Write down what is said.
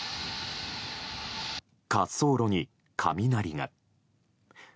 滑走路に雷が。